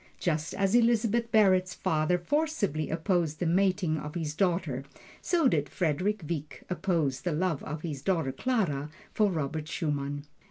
Just as Elizabeth Barrett's father forcibly opposed the mating of his daughter, so did Frederick Wieck oppose the love of his daughter Clara for Robert Schumann.